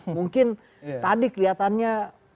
mungkin tadi kelihatannya